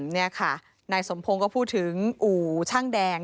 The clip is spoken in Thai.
นี่ค่ะนายสมพงศ์ก็พูดถึงอู่ช่างแดง